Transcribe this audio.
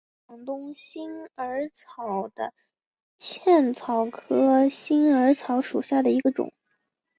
广东新耳草为茜草科新耳草属下的一个种。